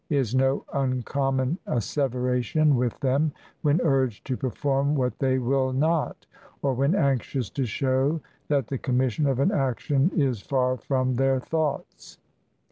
is no uncommon asseveration with them when urged to perform what they will not, or when anxious to show that the commission of an action is far from their thoughts.